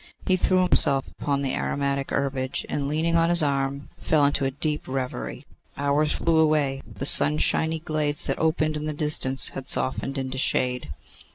He threw himself upon the aromatic herbage, and leaning on his arm, fell into a deep reverie. Hours flew away; the sunshiny glades that opened in the distance had softened into shade.